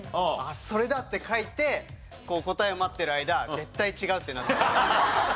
それだ！って書いて答えを待ってる間絶対違うってなったので。